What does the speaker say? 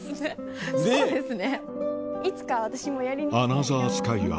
そうですね。